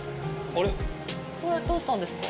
あれどうしたんですか？